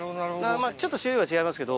ちょっと種類は違いますけど。